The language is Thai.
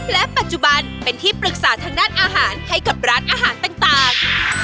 และปัจจุบันเป็นที่ปรึกษาทางด้านอาหารให้กับร้านอาหารต่าง